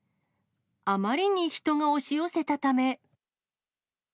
あまりに人が押し寄せたため。